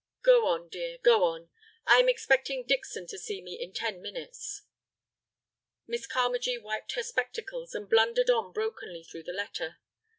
"Go on, dear, go on. I am expecting Dixon to see me in ten minutes." Miss Carmagee wiped her spectacles, and blundered on brokenly through the letter.